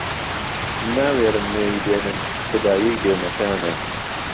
ناوێرم نێوی بێنم به خودایهی بێمهکانه